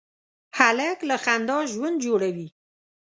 هلک له خندا ژوند جوړوي.